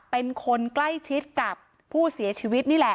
เป็นคนใกล้ชิดกับผู้เสียชีวิตนี่แหละ